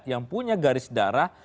yang punya garis darah